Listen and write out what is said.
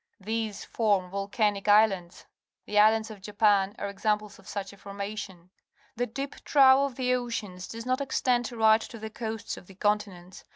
These form volcanic islands. The islands of Japan are examples of such a formation. The deep trough of the oceans does not extend right to the coasts of the continents.